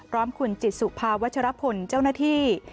พร้อมคุณจิตสุภาวัชรพลเจ้าหน้าที่